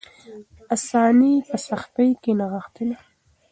آساني په سختۍ کې نغښتې ده.